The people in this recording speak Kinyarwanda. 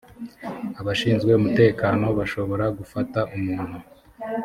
abashinzwe umutekano bashobora gufata umuntu